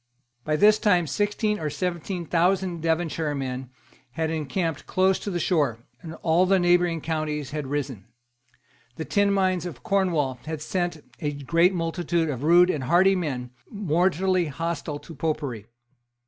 By this time sixteen or seventeen thousand Devonshire men had encamped close to the shore; and all the neighbouring counties had risen. The tin mines of Cornwall had sent forth a great multitude of rude and hardy men mortally hostile to Popery.